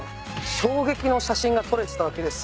衝撃の写真が撮れてたわけです。